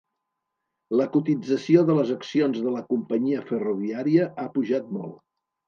La cotització de les accions de la companyia ferroviària ha pujat molt.